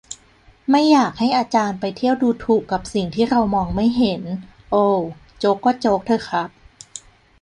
"ไม่อยากให้อาจารย์ไปเที่ยวดูถูกกับสิ่งที่เรามองไม่เห็น" โอว โจ๊กก็โจ๊กเถอะครับ